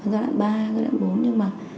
giai đoạn ba giai đoạn bốn nhưng mà